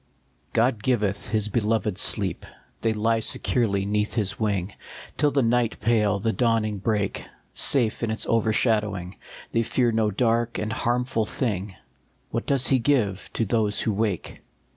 OD giveth his beloved sleep ; They lie securely neath his wing Till the night pale, the dawning break ; Safe in its overshadowing They fear no dark and harmful thing ; What does he give to those who wake